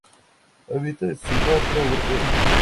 Habita en Sumatra, Borneo.